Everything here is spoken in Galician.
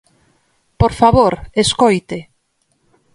¡Por favor, escoite!